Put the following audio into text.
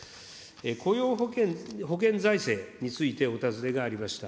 雇用保険財政についてお尋ねがありました。